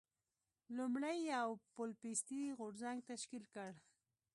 لومړی یو پوپلیستي غورځنګ تشکیل کړ.